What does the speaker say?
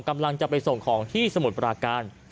กำลังจะไปส่งของที่สมุทรปราการ